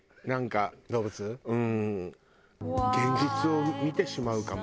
現実を見てしまうかも。